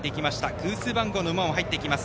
偶数番号の馬も入っていきます